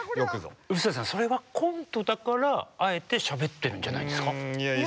臼田さんそれはコントだからあえてしゃべってるんじゃないですか？